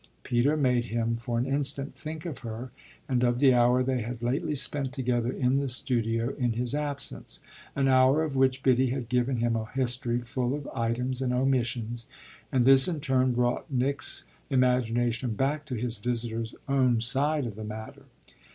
Peter made him for an instant think of her and of the hour they had lately spent together in the studio in his absence an hour of which Biddy had given him a history full of items and omissions; and this in turn brought Nick's imagination back to his visitor's own side of the matter.